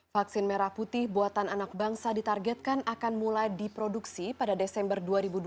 vaksin merah putih buatan anak bangsa ditargetkan akan mulai diproduksi pada desember dua ribu dua puluh